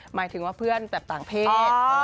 หมายถึงว่าเพื่อนแบบต่างเพศ